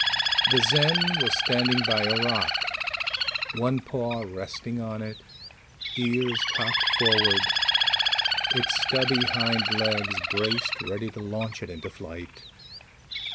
The Zen was standing by a rock, one paw resting on it, ears cocked forward, its stubby hind legs braced ready to launch it into flight.